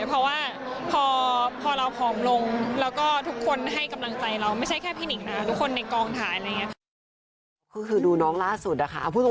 เพราะว่าพอเราของลงแล้วก็ทุกคนให้กำลังใจเรา